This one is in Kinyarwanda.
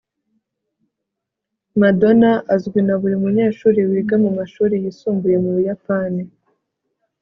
madonna azwi na buri munyeshuri wiga mu mashuri yisumbuye mu buyapani